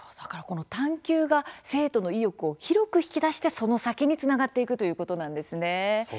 「探究」が生徒の意欲を広く引き出してその先につながっていくということなんですね。